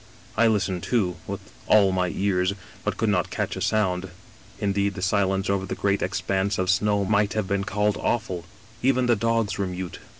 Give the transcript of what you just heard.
I listened too, with * all my ears,' but could not catch a sound ; indeed the silence over the great expanse of snow might have been called awful; even the dogs were mute.